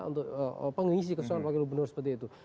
untuk pengisi keseluruhan panggil gubernur seperti itu